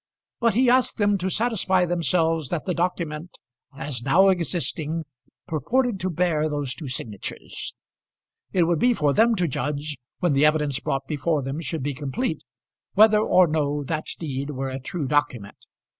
But he asked them to satisfy themselves that the document as now existing purported to bear those two signatures. It would be for them to judge, when the evidence brought before them should be complete, whether or no that deed were a true document.